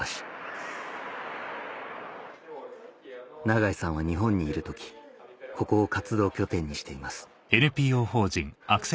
永井さんは日本にいる時ここを活動拠点にしています